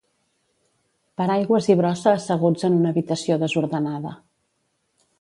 Paraigües i brossa asseguts en una habitació desordenada